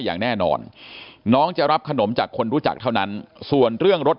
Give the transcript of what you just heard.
อย่างแน่นอนน้องจะรับขนมจากคนรู้จักเท่านั้นส่วนเรื่องรถ